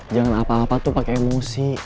jangan apa apa tuh pakai emosi